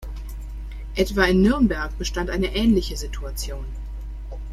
Etwa in Nürnberg bestand eine ähnliche Situation.